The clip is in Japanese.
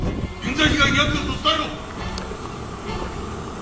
冤罪被害に遭ってると伝えろ！